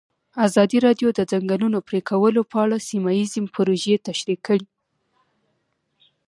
ازادي راډیو د د ځنګلونو پرېکول په اړه سیمه ییزې پروژې تشریح کړې.